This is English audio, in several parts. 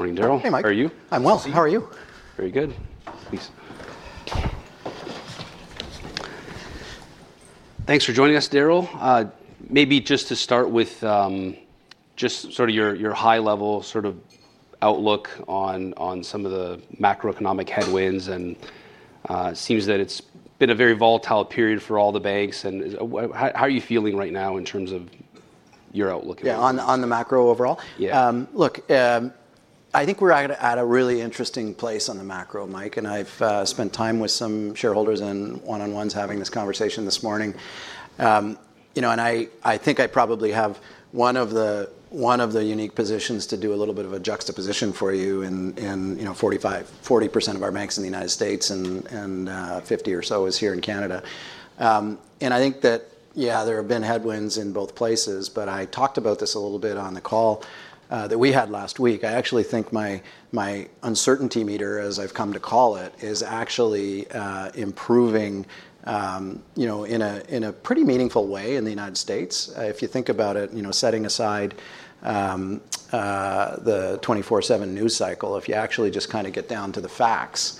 Morning, Darryl. Hey, Mike. How are you? I'm well. How are you? Very good. Thanks for joining us, Darryl. Maybe just to start with just sort of your high-level sort of outlook on some of the macroeconomic headwinds, and it seems that it's been a very volatile period for all the banks, and how are you feeling right now in terms of your outlook? Yeah, on the macro overall? Yeah. Look, I think we're at a really interesting place on the macro, Mike. And I've spent time with some shareholders and one-on-ones having this conversation this morning. And I think I probably have one of the unique positions to do a little bit of a juxtaposition for you. And 40% of our banks in the United States and 50% or so is here in Canada. And I think that, yeah, there have been headwinds in both places. But I talked about this a little bit on the call that we had last week. I actually think my uncertainty meter, as I've come to call it, is actually improving in a pretty meaningful way in the United States. If you think about it, setting aside the 24/7 news cycle, if you actually just kind of get down to the facts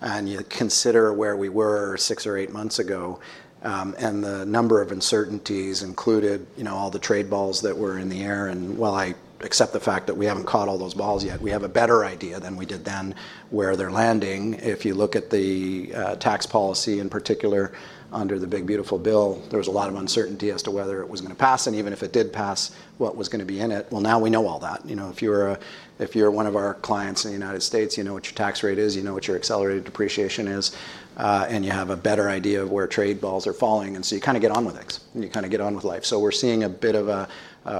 and you consider where we were six or eight months ago and the number of uncertainties, including all the trade balls that were in the air, and while I accept the fact that we haven't caught all those balls yet, we have a better idea than we did then where they're landing. If you look at the tax policy in particular under the big, beautiful bill, there was a lot of uncertainty as to whether it was going to pass, and even if it did pass, what was going to be in it? Well, now we know all that. If you're one of our clients in the United States, you know what your tax rate is, you know what your accelerated depreciation is, and you have a better idea of where trade balls are falling, and so you kind of get on with things, and you kind of get on with life, so we're seeing a bit of a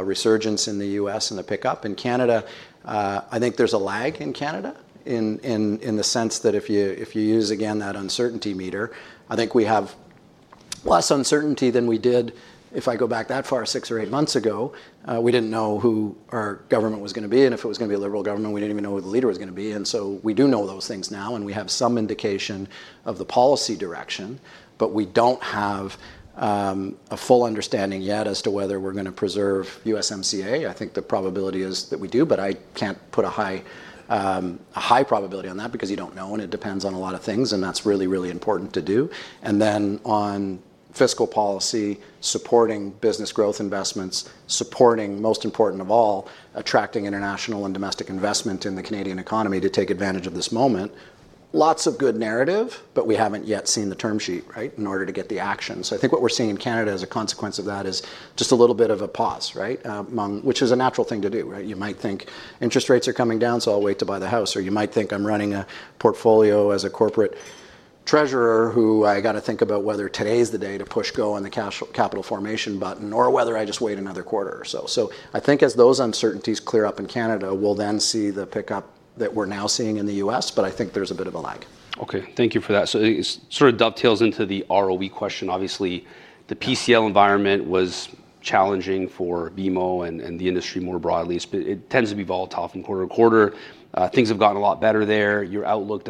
resurgence in the U.S. and the pickup. In Canada, I think there's a lag in Canada in the sense that if you use, again, that uncertainty meter, I think we have less uncertainty than we did if I go back that far six or eight months ago. We didn't know who our government was going to be, and if it was going to be a Liberal government, we didn't even know who the leader was going to be, and so we do know those things now. We have some indication of the policy direction. But we don't have a full understanding yet as to whether we're going to preserve USMCA. I think the probability is that we do. But I can't put a high probability on that because you don't know. And it depends on a lot of things. And that's really, really important to do. And then on fiscal policy, supporting business growth investments, supporting, most important of all, attracting international and domestic investment in the Canadian economy to take advantage of this moment. Lots of good narrative. But we haven't yet seen the term sheet in order to get the action. I think what we're seeing in Canada as a consequence of that is just a little bit of a pause, which is a natural thing to do. You might think interest rates are coming down, so I'll wait to buy the house. Or you might think I'm running a portfolio as a corporate treasurer who I got to think about whether today is the day to push go on the capital formation button or whether I just wait another quarter or so. I think as those uncertainties clear up in Canada, we'll then see the pickup that we're now seeing in the U.S. But I think there's a bit of a lag. Okay, thank you for that. So it sort of dovetails into the ROE question. Obviously, the PCL environment was challenging for BMO and the industry more broadly. It tends to be volatile from quarter to quarter. Things have gotten a lot better there. Your outlook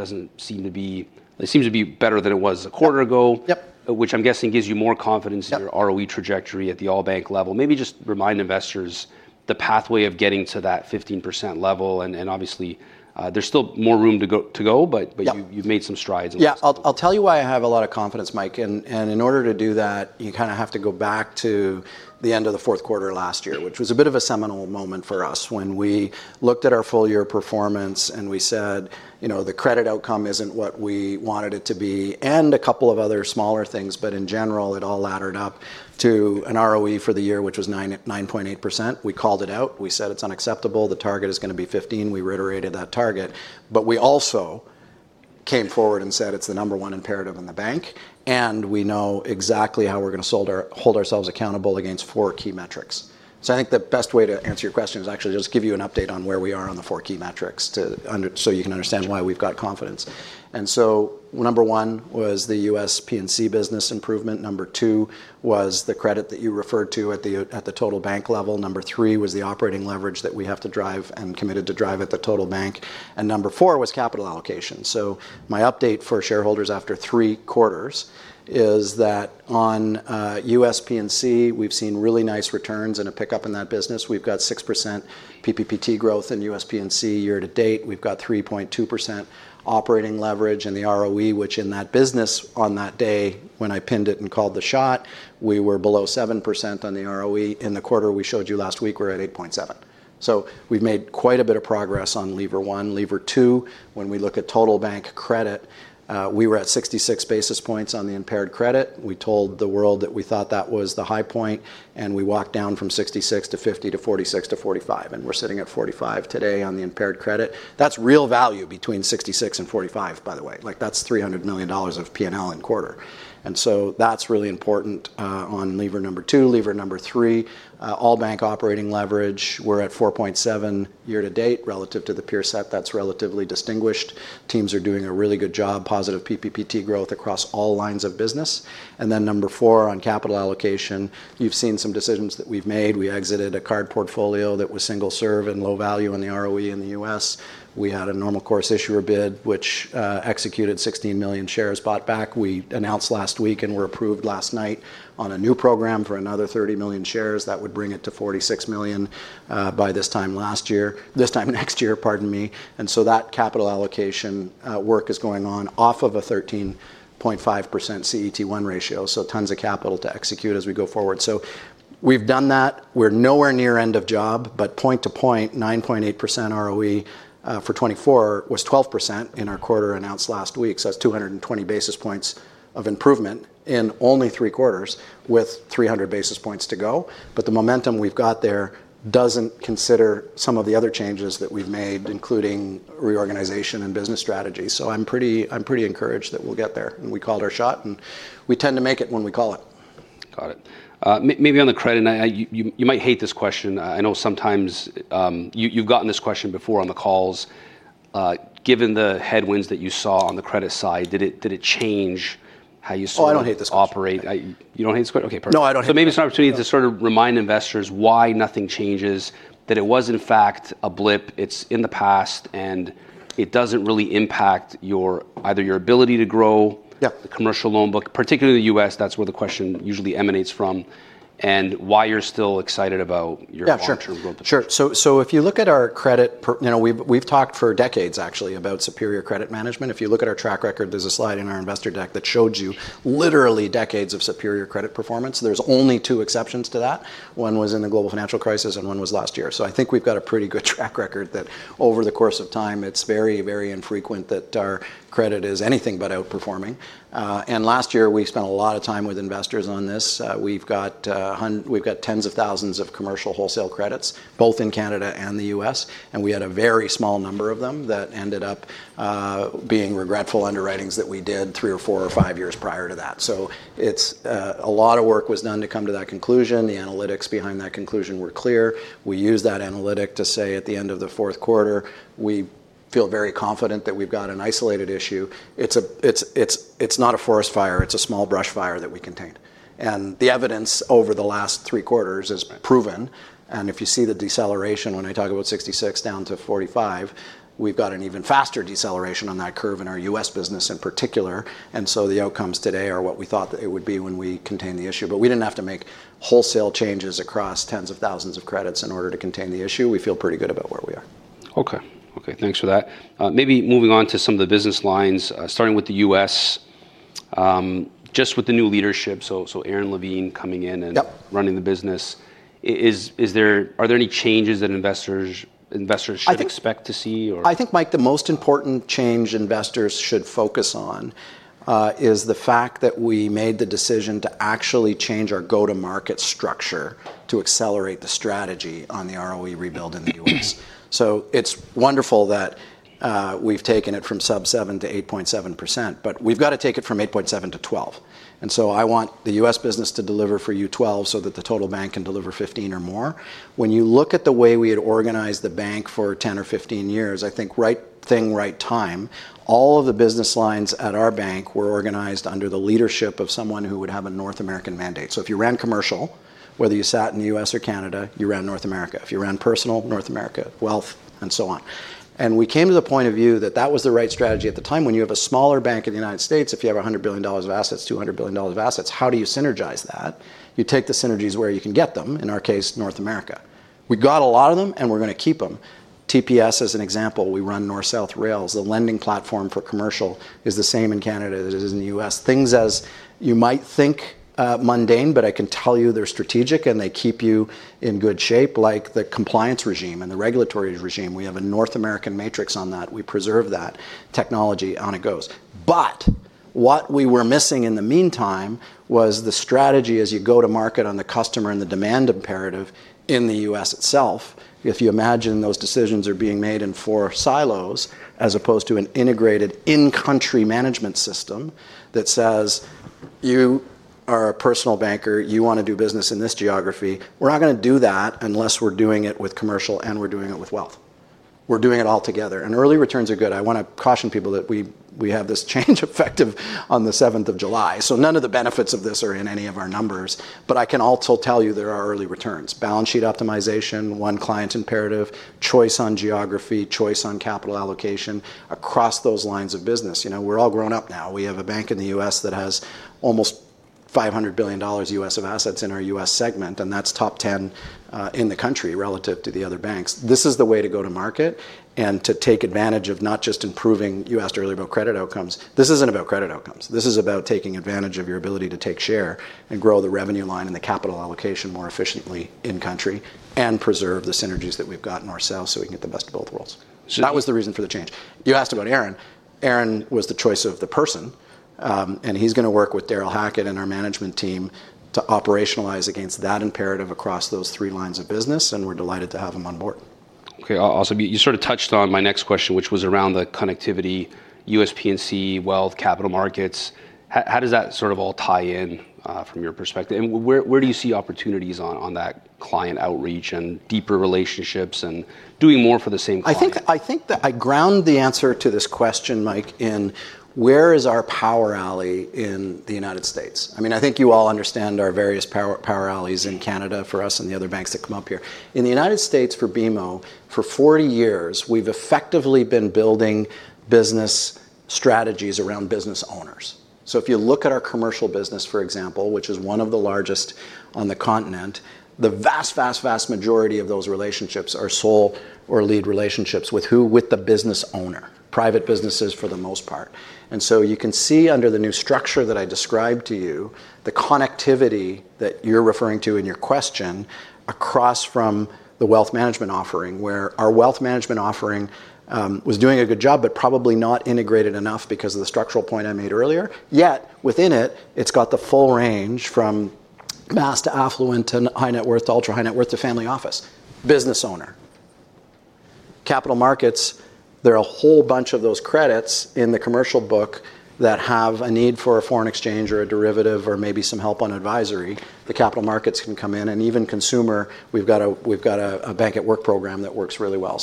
seems to be better than it was a quarter ago, which I'm guessing gives you more confidence in your ROE trajectory at the all-bank level. Maybe just remind investors the pathway of getting to that 15% level. And obviously, there's still more room to go. But you've made some strides. Yeah, I'll tell you why I have a lot of confidence, Mike. And in order to do that, you kind of have to go back to the end of the fourth quarter last year, which was a bit of a seminal moment for us when we looked at our full-year performance and we said the credit outcome isn't what we wanted it to be and a couple of other smaller things. But in general, it all laddered up to an ROE for the year, which was 9.8%. We called it out. We said it's unacceptable. The target is going to be 15%. We reiterated that target. But we also came forward and said it's the number one imperative in the bank. And we know exactly how we're going to hold ourselves accountable against four key metrics. I think the best way to answer your question is actually just give you an update on where we are on the four key metrics so you can understand why we've got confidence, and so number one was the U.S. P&C business improvement, number two was the credit that you referred to at the total bank level, number three was the operating leverage that we have to drive and committed to drive at the total bank, and number four was capital allocation, so my update for shareholders after three quarters is that on U.S. P&C, we've seen really nice returns and a pickup in that business. We've got 6% PPPT growth in U.S. P&C year to date. We've got 3.2% operating leverage in the ROE, which in that business on that day when I pinned it and called the shot, we were below 7% on the ROE. In the quarter we showed you last week, we're at 8.7%. We've made quite a bit of progress on lever 1. Lever 2, when we look at total bank credit, we were at 66 basis points on the impaired credit. We told the world that we thought that was the high point. And we walked down from 66 to 50 to 46 to 45. And we're sitting at 45 today on the impaired credit. That's real value between 66 and 45, by the way. That's $300 million of P&L in quarter. And so that's really important on lever number 2. Lever number 3, all bank operating leverage, we're at 4.7% year to date relative to the peer set. That's relatively distinguished. Teams are doing a really good job. Positive PPPT growth across all lines of business. And then number 4 on capital allocation, you've seen some decisions that we've made. We exited a card portfolio that was single serve and low value on the ROE in the U.S. We had a normal course issuer bid, which executed 16 million shares bought back. We announced last week and were approved last night on a new program for another 30 million shares that would bring it to 46 million by this time last year this time next year, pardon me. And so that capital allocation work is going on off of a 13.5% CET1 ratio. So tons of capital to execute as we go forward. So we've done that. We're nowhere near end of job. But point to point, 9.8% ROE for 2024 was 12% in our quarter announced last week. So that's 220 basis points of improvement in only three quarters with 300 basis points to go. But the momentum we've got there doesn't consider some of the other changes that we've made, including reorganization and business strategy. I'm pretty encouraged that we'll get there. And we called our shot. And we tend to make it when we call it. Got it. Maybe on the credit, you might hate this question. I know sometimes you've gotten this question before on the calls. Given the headwinds that you saw on the credit side, did it change how you operate? Oh, I don't hate this question. You don't hate this question? OK, perfect. No, I don't hate this question. Maybe it's an opportunity to sort of remind investors why nothing changes, that it was, in fact, a blip. It's in the past. And it doesn't really impact either your ability to grow the commercial loan book, particularly in the U.S. That's where the question usually emanates from. And why you're still excited about your long-term growth. Yeah, sure. So if you look at our credit, we've talked for decades, actually, about superior credit management. If you look at our track record, there's a slide in our investor deck that showed you literally decades of superior credit performance. There's only two exceptions to that. One was in the global financial crisis, and one was last year. I think we've got a pretty good track record that over the course of time, it's very, very infrequent that our credit is anything but outperforming, and last year, we spent a lot of time with investors on this. We've got tens of thousands of commercial wholesale credits, both in Canada and the U.S., and we had a very small number of them that ended up being regretful underwritings that we did three or four or five years prior to that. A lot of work was done to come to that conclusion. The analytics behind that conclusion were clear. We used that analytic to say at the end of the fourth quarter, we feel very confident that we've got an isolated issue. It's not a forest fire. It's a small brush fire that we contained. And the evidence over the last three quarters is proven. And if you see the deceleration when I talk about 66 down to 45, we've got an even faster deceleration on that curve in our U.S. business in particular. And so the outcomes today are what we thought that it would be when we contained the issue. But we didn't have to make wholesale changes across tens of thousands of credits in order to contain the issue. We feel pretty good about where we are. OK. Thanks for that. Maybe moving on to some of the business lines, starting with the U.S., just with the new leadership, so Aron Levine coming in and running the business. Are there any changes that investors should expect to see? I think, Mike, the most important change investors should focus on is the fact that we made the decision to actually change our go-to-market structure to accelerate the strategy on the ROE rebuild in the U.S. So it's wonderful that we've taken it from sub-7% to 8.7%. But we've got to take it from 8.7% to 12%. And so I want the U.S. business to deliver for you 12% so that the total bank can deliver 15% or more. When you look at the way we had organized the bank for 10 or 15 years, I think right thing, right time, all of the business lines at our bank were organized under the leadership of someone who would have a North American mandate. So if you ran commercial, whether you sat in the U.S. or Canada, you ran North America. If you ran personal, North America, wealth, and so on. And we came to the point of view that that was the right strategy at the time. When you have a smaller bank in the United States, if you have $100 billion of assets, $200 billion of assets, how do you synergize that? You take the synergies where you can get them, in our case, North America. We got a lot of them. And we're going to keep them. TPS, as an example, we run North-South Rails. The lending platform for commercial is the same in Canada as it is in the U.S. Things as you might think mundane. But I can tell you they're strategic. And they keep you in good shape, like the compliance regime and the regulatory regime. We have a North American matrix on that. We preserve that technology on it goes. But what we were missing in the meantime was the strategy as you go to market on the customer and the demand imperative in the U.S. itself. If you imagine those decisions are being made in four silos as opposed to an integrated in-country management system that says, you are a personal banker. You want to do business in this geography. We're not going to do that unless we're doing it with commercial and we're doing it with wealth. We're doing it all together. And early returns are good. I want to caution people that we have this change effect on the 7th of July. So none of the benefits of this are in any of our numbers. But I can also tell you there are early returns. Balance sheet optimization, one client imperative, choice on geography, choice on capital allocation across those lines of business. We're all grown up now. We have a bank in the U.S. that has almost $500 billion of assets in our U.S. segment. And that's top 10 in the country relative to the other banks. This is the way to go to market and to take advantage of not just improving U.S. real estate credit outcomes. This isn't about credit outcomes. This is about taking advantage of your ability to take share and grow the revenue line and the capital allocation more efficiently in country and preserve the synergies that we've got in ourselves so we can get the best of both worlds. That was the reason for the change. You asked about Aron. Aron was the choice of the person. And he's going to work with Darrel Hackett and our management team to operationalize against that imperative across those three lines of business. We're delighted to have him on board. OK, awesome. You sort of touched on my next question, which was around the connectivity, U.S. P&C, wealth, capital markets. How does that sort of all tie in from your perspective? And where do you see opportunities on that client outreach and deeper relationships and doing more for the same client? I think that I ground the answer to this question, Mike, in where is our power alley in the United States? I mean, I think you all understand our various power alleys in Canada for us and the other banks that come up here. In the United States for BMO, for 40 years, we've effectively been building business strategies around business owners. So if you look at our commercial business, for example, which is one of the largest on the continent, the vast, vast, vast majority of those relationships are sole or lead relationships with who? With the business owner, private businesses for the most part. And so you can see under the new structure that I described to you, the connectivity that you're referring to in your question across from the wealth management offering, where our wealth management offering was doing a good job, but probably not integrated enough because of the structural point I made earlier. Yet within it, it's got the full range from mass to affluent to high net worth to ultra high net worth to family office, business owner. Capital markets, there are a whole bunch of those credits in the commercial book that have a need for a foreign exchange or a derivative or maybe some help on advisory. The capital markets can come in. And even consumer, we've got a Bank at Work program that works really well.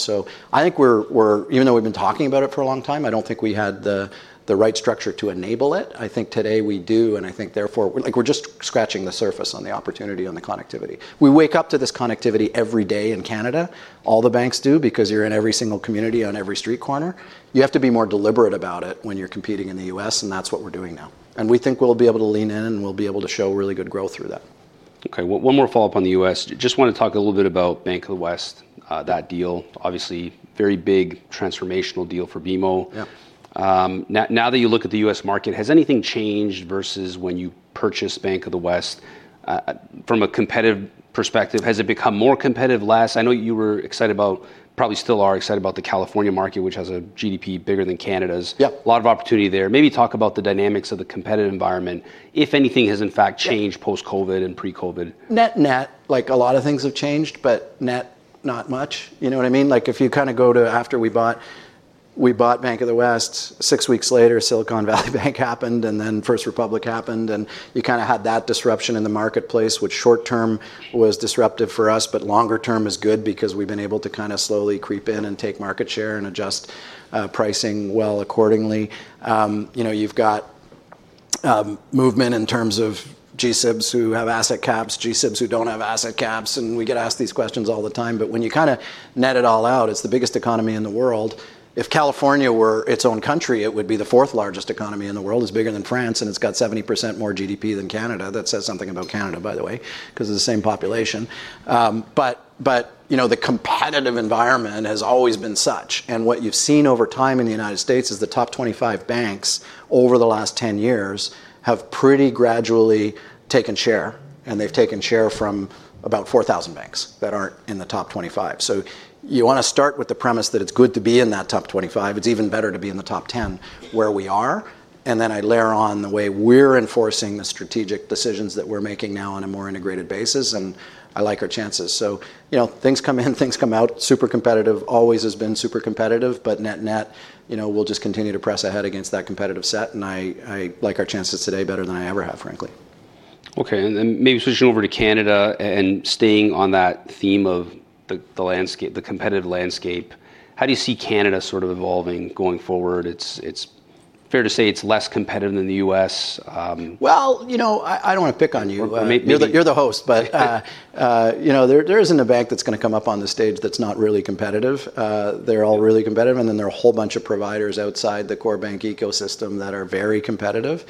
I think we're, even though we've been talking about it for a long time, I don't think we had the right structure to enable it. I think today we do. And I think therefore, we're just scratching the surface on the opportunity on the connectivity. We wake up to this connectivity every day in Canada. All the banks do because you're in every single community on every street corner. You have to be more deliberate about it when you're competing in the U.S. And that's what we're doing now. And we think we'll be able to lean in. And we'll be able to show really good growth through that. OK, one more follow-up on the U.S. Just want to talk a little bit about Bank of the West, that deal. Obviously, very big transformational deal for BMO. Now that you look at the U.S. market, has anything changed versus when you purchased Bank of the West? From a competitive perspective, has it become more competitive? I know you were excited about, probably still are excited about the California market, which has a GDP bigger than Canada's. A lot of opportunity there. Maybe talk about the dynamics of the competitive environment. If anything has, in fact, changed post-COVID and pre-COVID? Net net, like a lot of things have changed, but net not much. You know what I mean? Like if you kind of go to after we bought Bank of the West, six weeks later, Silicon Valley Bank happened. And then First Republic happened. And you kind of had that disruption in the marketplace, which short term was disruptive for us. But longer term is good because we've been able to kind of slowly creep in and take market share and adjust pricing well accordingly. You've got movement in terms of G-SIBs who have asset caps, G-SIBs who don't have asset caps. And we get asked these questions all the time. But when you kind of net it all out, it's the biggest economy in the world. If California were its own country, it would be the fourth largest economy in the world. It's bigger than France. It's got 70% more GDP than Canada. That says something about Canada, by the way, because of the same population. The competitive environment has always been such. What you've seen over time in the United States is the top 25 banks over the last 10 years have pretty gradually taken share. They've taken share from about 4,000 banks that aren't in the top 25. You want to start with the premise that it's good to be in that top 25. It's even better to be in the top 10 where we are. Then I layer on the way we're enforcing the strategic decisions that we're making now on a more integrated basis. I like our chances. Things come in, things come out. Super competitive always has been super competitive. Net net, we'll just continue to press ahead against that competitive set. I like our chances today better than I ever have, frankly. OK, and then maybe switching over to Canada and staying on that theme of the competitive landscape, how do you see Canada sort of evolving going forward? It's fair to say it's less competitive than the U.S. You know I don't want to pick on you. You're the host. There isn't a bank that's going to come up on the stage that's not really competitive. They're all really competitive. There are a whole bunch of providers outside the core bank ecosystem that are very competitive.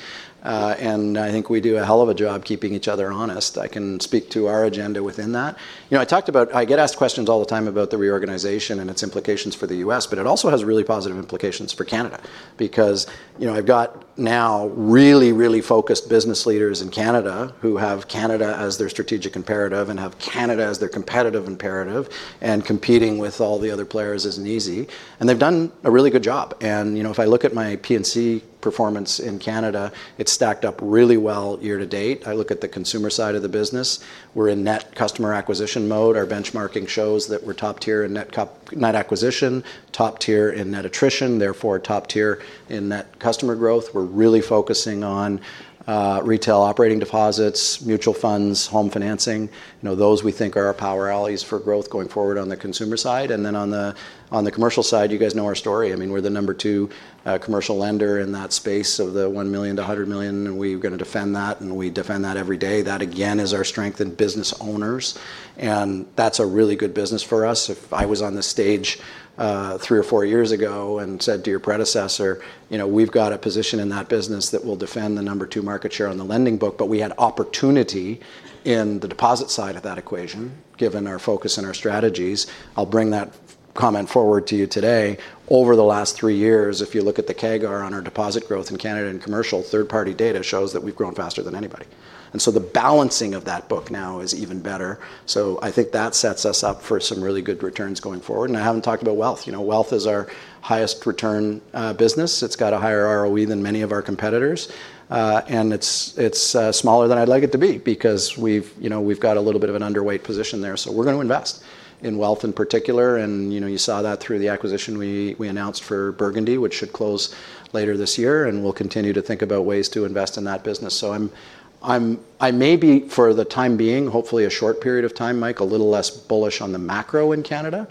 I think we do a hell of a job keeping each other honest. I can speak to our agenda within that. I get asked questions all the time about the reorganization and its implications for the U.S. It also has really positive implications for Canada because I've got now really, really focused business leaders in Canada who have Canada as their strategic imperative and have Canada as their competitive imperative. Competing with all the other players isn't easy. They've done a really good job. If I look at my P&C performance in Canada, it's stacked up really well year to date. I look at the consumer side of the business. We're in net customer acquisition mode. Our benchmarking shows that we're top tier in net acquisition, top tier in net attrition, therefore top tier in net customer growth. We're really focusing on retail operating deposits, mutual funds, home financing. Those we think are our power allies for growth going forward on the consumer side. And then on the commercial side, you guys know our story. I mean, we're the number two commercial lender in that space of the $1 million-$100 million. And we're going to defend that. And we defend that every day. That, again, is our strength in business owners. And that's a really good business for us. If I was on the stage three or four years ago and said to your predecessor, "We've got a position in that business that will defend the number two market share on the lending book." But we had opportunity in the deposit side of that equation given our focus and our strategies. I'll bring that comment forward to you today. Over the last three years, if you look at the CAGR on our deposit growth in Canada and commercial, third-party data shows that we've grown faster than anybody. And so the balancing of that book now is even better. I think that sets us up for some really good returns going forward. And I haven't talked about wealth. Wealth is our highest return business. It's got a higher ROE than many of our competitors. And it's smaller than I'd like it to be because we've got a little bit of an underweight position there. So we're going to invest in wealth in particular. And you saw that through the acquisition we announced for Burgundy, which should close later this year. And we'll continue to think about ways to invest in that business. I may be, for the time being, hopefully a short period of time, Mike, a little less bullish on the macro in Canada.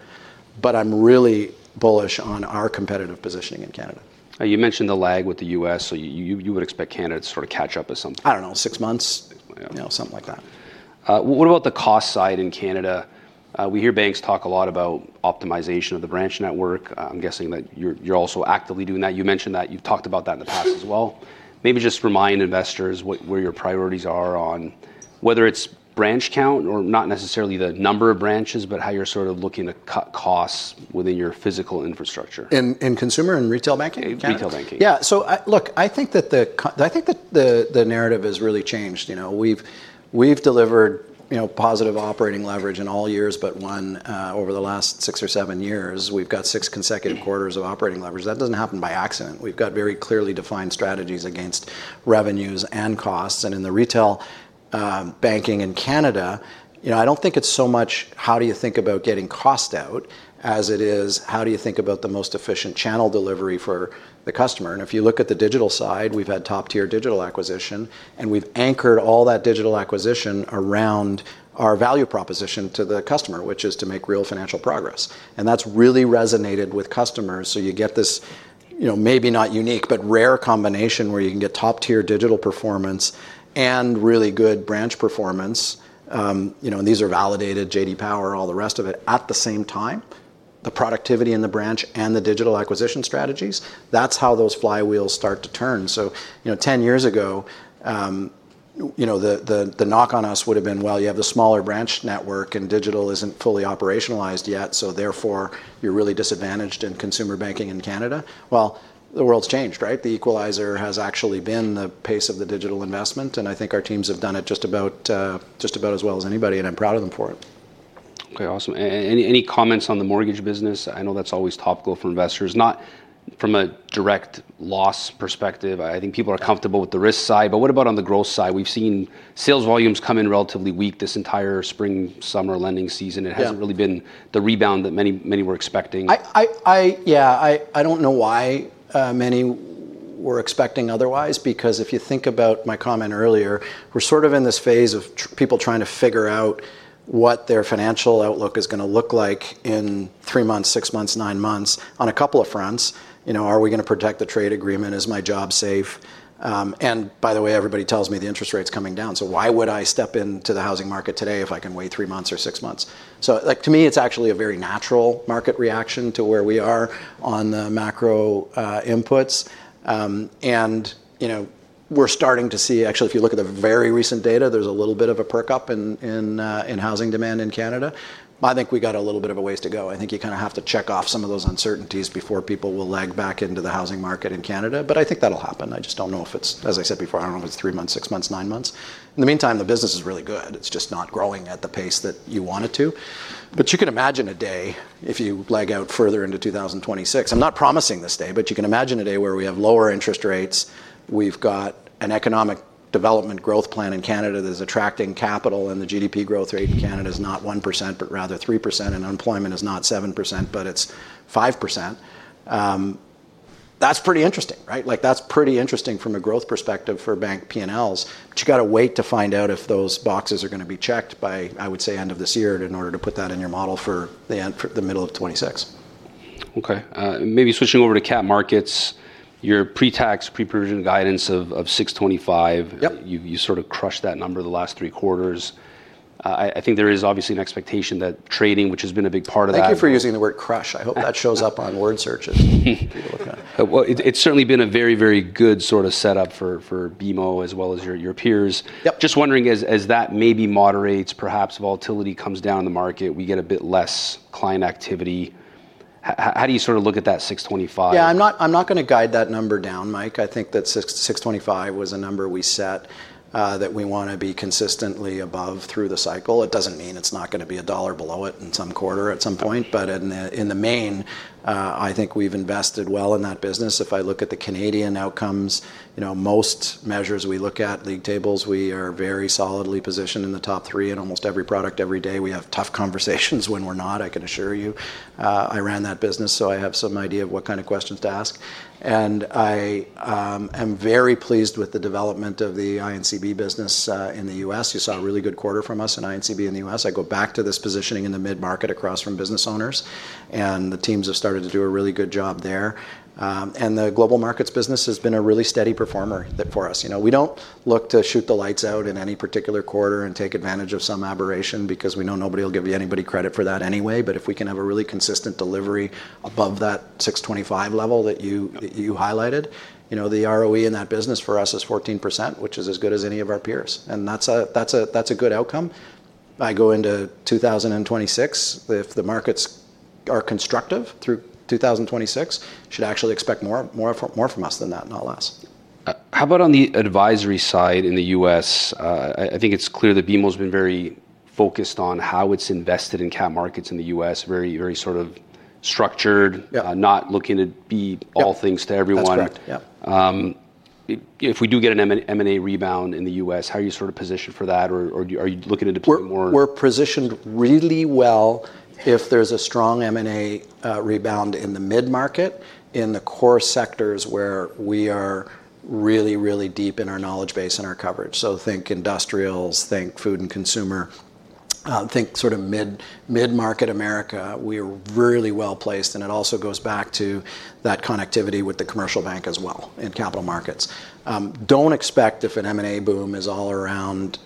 But I'm really bullish on our competitive positioning in Canada. You mentioned the lag with the U.S. So you would expect Canada to sort of catch up at some point. I don't know, six months, something like that. What about the cost side in Canada? We hear banks talk a lot about optimization of the branch network. I'm guessing that you're also actively doing that. You mentioned that. You've talked about that in the past as well. Maybe just remind investors what your priorities are on whether it's branch count or not necessarily the number of branches, but how you're sort of looking to cut costs within your physical infrastructure? In consumer and retail banking? Retail banking. Yeah. So look, I think that the narrative has really changed. We've delivered positive operating leverage in all years, but one over the last six or seven years. We've got six consecutive quarters of operating leverage. That doesn't happen by accident. We've got very clearly defined strategies against revenues and costs. And in the retail banking in Canada, I don't think it's so much how do you think about getting cost out as it is how do you think about the most efficient channel delivery for the customer. And if you look at the digital side, we've had top tier digital acquisition. And we've anchored all that digital acquisition around our value proposition to the customer, which is to make Real Financial Progress. And that's really resonated with customers. So you get this maybe not unique, but rare combination where you can get top tier digital performance and really good branch performance, and these are validated, J.D. Power, all the rest of it. At the same time, the productivity in the branch and the digital acquisition strategies, that's how those flywheels start to turn, so 10 years ago, the knock on us would have been, well, you have the smaller branch network and digital isn't fully operationalized yet, so therefore, you're really disadvantaged in consumer banking in Canada, well, the world's changed, right? The equalizer has actually been the pace of the digital investment, and I think our teams have done it just about as well as anybody, and I'm proud of them for it. OK, awesome. Any comments on the mortgage business? I know that's always topical for investors, not from a direct loss perspective. I think people are comfortable with the risk side. But what about on the growth side? We've seen sales volumes come in relatively weak this entire spring-summer lending season. It hasn't really been the rebound that many were expecting. Yeah, I don't know why many were expecting otherwise because if you think about my comment earlier, we're sort of in this phase of people trying to figure out what their financial outlook is going to look like in three months, six months, nine months on a couple of fronts. Are we going to protect the trade agreement? Is my job safe? And by the way, everybody tells me the interest rate's coming down. So why would I step into the housing market today if I can wait three months or six months? So to me, it's actually a very natural market reaction to where we are on the macro inputs. And we're starting to see, actually, if you look at the very recent data, there's a little bit of a perk up in housing demand in Canada. I think we got a little bit of a ways to go. I think you kind of have to check off some of those uncertainties before people will lag back into the housing market in Canada. But I think that'll happen. I just don't know if it's, as I said before, I don't know if it's three months, six months, nine months. In the meantime, the business is really good. It's just not growing at the pace that you want it to. But you can imagine a day if you lag out further into 2026. I'm not promising this day, but you can imagine a day where we have lower interest rates. We've got an economic development growth plan in Canada that is attracting capital. And the GDP growth rate in Canada is not 1%, but rather 3%. And unemployment is not 7%, but it's 5%. That's pretty interesting, right? That's pretty interesting from a growth perspective for bank P&Ls. But you've got to wait to find out if those boxes are going to be checked by, I would say, end of this year in order to put that in your model for the middle of 2026. OK. Maybe switching over to capital markets. Your pre-tax, pre-provision guidance of $625 million, you sort of crushed that number the last three quarters. I think there is obviously an expectation that trading, which has been a big part of that. Thank you for using the word crush. I hope that shows up on word searches. It's certainly been a very, very good sort of setup for BMO as well as your peers. Just wondering, as that maybe moderates, perhaps volatility comes down in the market, we get a bit less client activity. How do you sort of look at that $625 million? Yeah, I'm not going to guide that number down, Mike. I think that $625 million was a number we set that we want to be consistently above through the cycle. It doesn't mean it's not going to be $1 below it in some quarter at some point. But in the main, I think we've invested well in that business. If I look at the Canadian outcomes, most measures we look at, league tables, we are very solidly positioned in the top three in almost every product every day. We have tough conversations when we're not, I can assure you. I ran that business, so I have some idea of what kind of questions to ask. And I am very pleased with the development of the I&CB business in the U.S. You saw a really good quarter from us in I&CB in the U.S. I go back to this positioning in the mid-market across from business owners, and the teams have started to do a really good job there, and the global markets business has been a really steady performer for us. We don't look to shoot the lights out in any particular quarter and take advantage of some aberration because we know nobody will give you anybody credit for that anyway, but if we can have a really consistent delivery above that $625 million level that you highlighted, the ROE in that business for us is 14%, which is as good as any of our peers, and that's a good outcome. I go into 2026, if the markets are constructive through 2026, should actually expect more from us than that, not less. How about on the advisory side in the U.S.? I think it's clear that BMO has been very focused on how it's invested in cap markets in the U.S., very sort of structured, not looking to be all things to everyone. If we do get an M&A rebound in the U.S., how are you sort of positioned for that? Or are you looking into more? We're positioned really well if there's a strong M&A rebound in the mid-market, in the core sectors where we are really, really deep in our knowledge base and our coverage. So think industrials, think food and consumer, think sort of mid-market America. We are really well placed. And it also goes back to that connectivity with the commercial bank as well in capital markets. Don't expect if an M&A boom is all around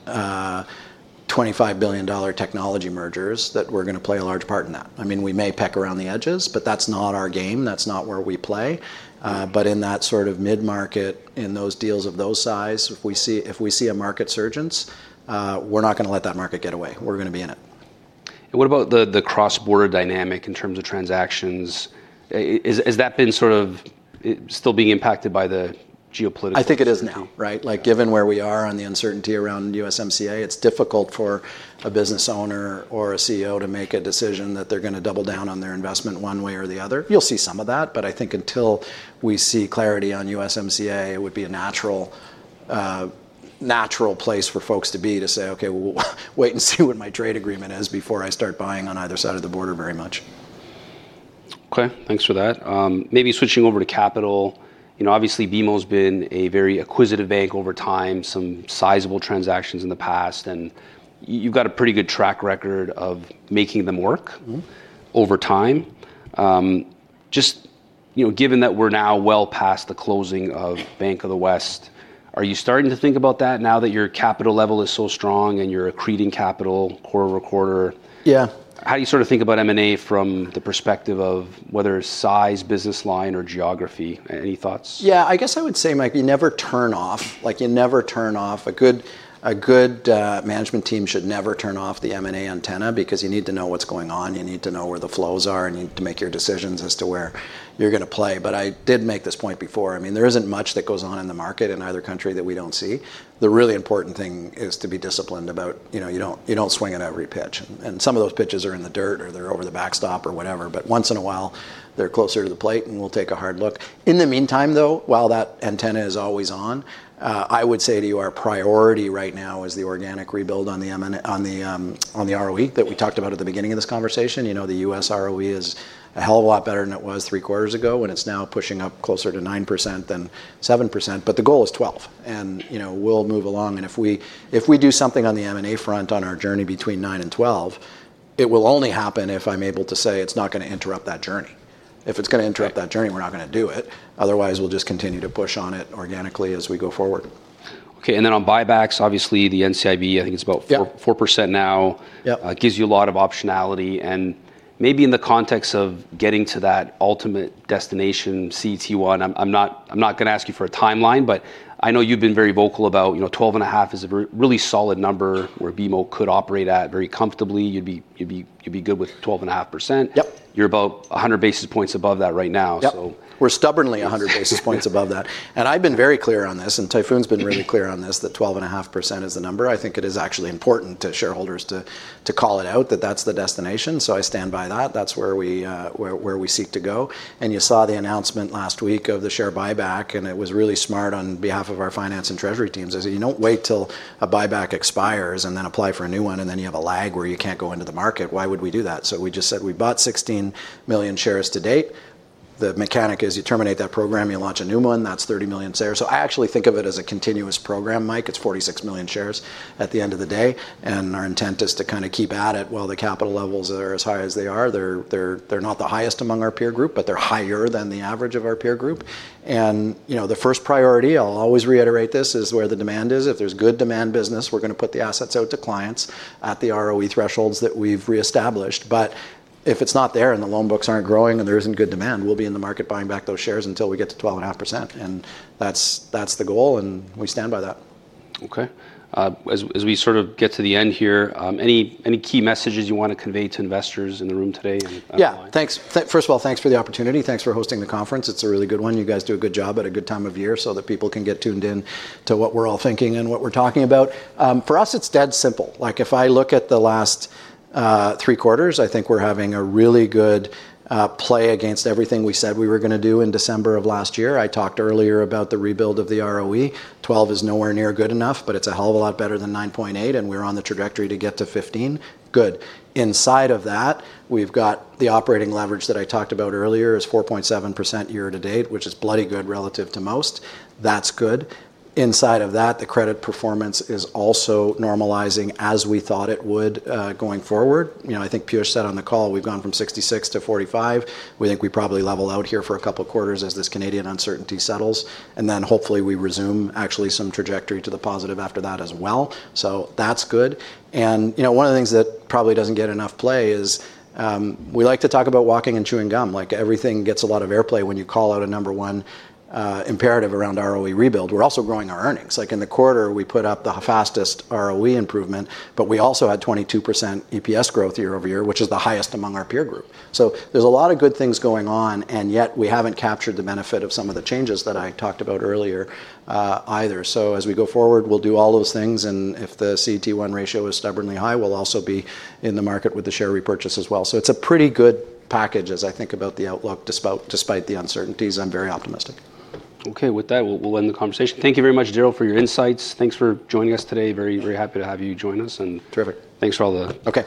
$25 billion technology mergers that we're going to play a large part in that. I mean, we may peck around the edges, but that's not our game. That's not where we play. But in that sort of mid-market, in those deals of those size, if we see an M&A surge, we're not going to let that market get away. We're going to be in it. What about the cross-border dynamic in terms of transactions? Has that been sort of still being impacted by the geopolitical? I think it is now, right? Given where we are on the uncertainty around USMCA, it's difficult for a business owner or a CEO to make a decision that they're going to double down on their investment one way or the other. You'll see some of that. But I think until we see clarity on USMCA, it would be a natural place for folks to be to say, OK, wait and see what my trade agreement is before I start buying on either side of the border very much. OK, thanks for that. Maybe switching over to capital. Obviously, BMO has been a very acquisitive bank over time, some sizable transactions in the past, and you've got a pretty good track record of making them work over time. Just given that we're now well past the closing of Bank of the West, are you starting to think about that now that your capital level is so strong and you're accreting capital quarter over quarter? Yeah. How do you sort of think about M&A from the perspective of whether it's size, business line, or geography? Any thoughts? Yeah, I guess I would say, Mike, you never turn off. You never turn off. A good management team should never turn off the M&A antenna because you need to know what's going on. You need to know where the flows are, and you need to make your decisions as to where you're going to play, but I did make this point before. I mean, there isn't much that goes on in the market in either country that we don't see. The really important thing is to be disciplined about you don't swing on every pitch, and some of those pitches are in the dirt or they're over the backstop or whatever, but once in a while, they're closer to the plate, and we'll take a hard look. In the meantime, though, while that antenna is always on, I would say to you our priority right now is the organic rebuild on the ROE that we talked about at the beginning of this conversation. The U.S. ROE is a hell of a lot better than it was three quarters ago. It's now pushing up closer to 9% than 7%. The goal is 12%. We'll move along. If we do something on the M&A front on our journey between 9% and 12%, it will only happen if I'm able to say it's not going to interrupt that journey. If it's going to interrupt that journey, we're not going to do it. Otherwise, we'll just continue to push on it organically as we go forward. OK. And then on buybacks, obviously, the NCIB, I think it's about 4% now, gives you a lot of optionality. And maybe in the context of getting to that ultimate destination, CET1, I'm not going to ask you for a timeline. But I know you've been very vocal about 12.5% is a really solid number where BMO could operate at very comfortably. You'd be good with 12.5%. You're about 100 basis points above that right now. Yeah, we're stubbornly 100 basis points above that. And I've been very clear on this. And Tayfun's been really clear on this, that 12.5% is the number. I think it is actually important to shareholders to call it out that that's the destination. I stand by that. That's where we seek to go. And you saw the announcement last week of the share buyback. And it was really smart on behalf of our finance and treasury teams. I said, you don't wait till a buyback expires and then apply for a new one. And then you have a lag where you can't go into the market. Why would we do that? So we just said we bought 16 million shares to date. The mechanic is you terminate that program, you launch a new one. That's 30 million shares. I actually think of it as a continuous program, Mike. It's 46 million shares at the end of the day. And our intent is to kind of keep at it while the capital levels are as high as they are. They're not the highest among our peer group, but they're higher than the average of our peer group. And the first priority, I'll always reiterate this, is where the demand is. If there's good demand business, we're going to put the assets out to clients at the ROE thresholds that we've reestablished. But if it's not there and the loan books aren't growing and there isn't good demand, we'll be in the market buying back those shares until we get to 12.5%. And that's the goal. And we stand by that. OK. As we sort of get to the end here, any key messages you want to convey to investors in the room today? Yeah, first of all, thanks for the opportunity. Thanks for hosting the conference. It's a really good one. You guys do a good job at a good time of year so that people can get tuned in to what we're all thinking and what we're talking about. For us, it's dead simple. If I look at the last three quarters, I think we're having a really good play against everything we said we were going to do in December of last year. I talked earlier about the rebuild of the ROE. 12% is nowhere near good enough, but it's a hell of a lot better than 9.8%, and we're on the trajectory to get to 15%. Good. Inside of that, we've got the operating leverage that I talked about earlier is 4.7% year to date, which is bloody good relative to most. That's good. Inside of that, the credit performance is also normalizing as we thought it would going forward. I think Piyush said on the call we've gone from 66 to 45. We think we probably level out here for a couple of quarters as this Canadian uncertainty settles, and then hopefully we resume actually some trajectory to the positive after that as well. So that's good. And one of the things that probably doesn't get enough play is we like to talk about walking and chewing gum. Everything gets a lot of airplay when you call out a number one imperative around ROE rebuild. We're also growing our earnings. In the quarter, we put up the fastest ROE improvement. But we also had 22% EPS growth year over year, which is the highest among our peer group. So there's a lot of good things going on. And yet we haven't captured the benefit of some of the changes that I talked about earlier either. As we go forward, we'll do all those things. And if the CET1 ratio is stubbornly high, we'll also be in the market with the share repurchase as well. So it's a pretty good package as I think about the outlook despite the uncertainties. I'm very optimistic. OK, with that, we'll end the conversation. Thank you very much, Darryl, for your insights. Thanks for joining us today. Very, very happy to have you join us. Terrific. Thanks for all the--